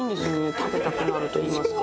食べたくなるといいますか。